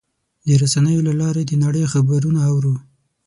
د رسنیو له لارې د نړۍ خبرونه اورو.